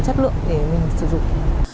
chất lượng để mình sử dụng